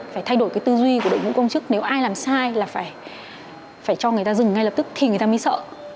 phải thay đổi cái tư duy của đội ngũ công chức nếu ai làm sai là phải cho người ta dừng ngay lập tức thì người ta mới sợ